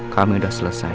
kami udah selesai